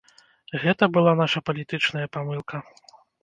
Гэта была наша палітычная памылка.